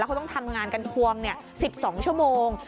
เขาต้องทำงานกันทวง๑๒ชั่วโมง